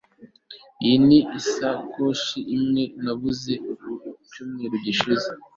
Iyi ni isakoshi imwe nabuze icyumweru gishize